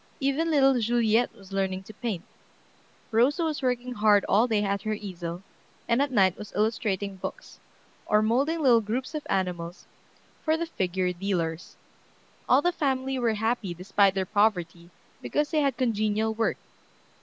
Even little Juliette was learning to paint. Rosa was working hard all day at her easel, and at night was illustrating books, or molding little groups of animals for the figure dealers. All the family were happy despite their poverty, because they had congenial work.